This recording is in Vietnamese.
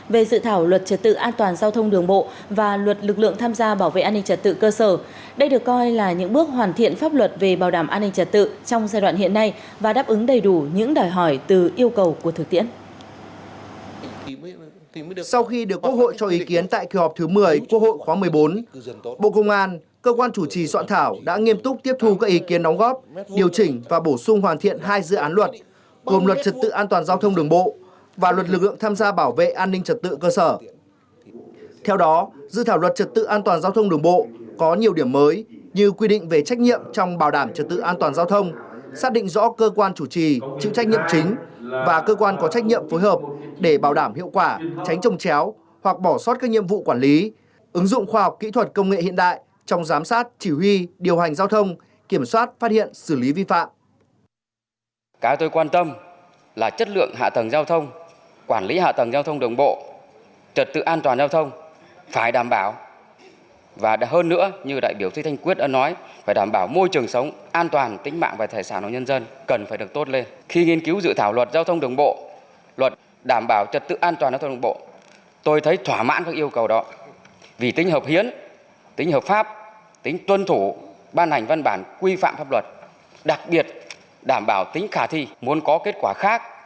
với dự thảo luật lực lượng tham gia bảo vệ an ninh trật tự ở cơ sở cơ quan chủ trì soạn thảo đã hoàn thiện trên cơ sở tiếp thu đầy đủ các ý kiến đóng góp kế thừa các quy định của pháp luật hiện hành bảo đảm không trồng chéo không mâu thuẫn với các văn bản luật khác